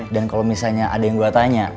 dan kalo misalnya ada yang gue tanya